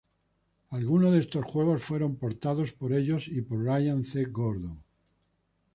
Algunos de estos juegos fueron portados por ellos y por Ryan C. Gordon.